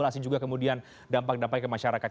dikalkulasi juga kemudian dampak dampaknya ke masyarakat